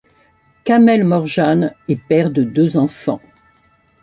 Kamel Morjane est père de deux enfants.